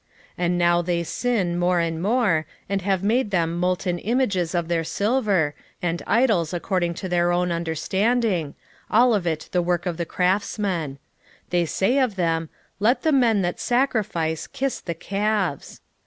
13:2 And now they sin more and more, and have made them molten images of their silver, and idols according to their own understanding, all of it the work of the craftsmen: they say of them, Let the men that sacrifice kiss the calves.